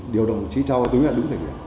điều đồng chí châu tính là đúng thời điểm